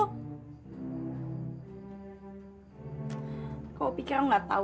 aku gak mau kamu ditipu sama cewek yang kamu taksir itu